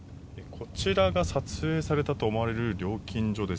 こちらが撮影されたと思われる料金所です。